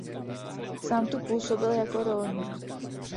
Sám tu působil jako rolník.